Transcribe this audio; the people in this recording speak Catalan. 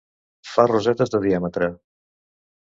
Fa rosetes de diàmetre.